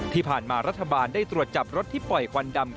ที่ผ่านมารัฐบาลได้ตรวจจับรถที่ปล่อยควันดำ